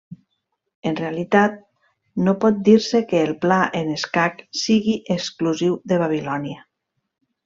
En realitat no pot dir-se que el pla en escac sigui exclusiu de Babilònia.